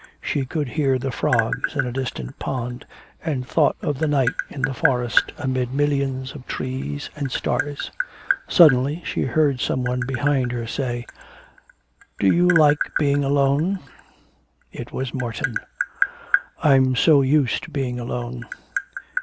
She could hear the frogs in a distant pond, and thought of the night in the forest amid millions of trees and stars. Suddenly she heard some one behind her say: 'Do you like being alone?' It was Morton. 'I'm so used to being alone.'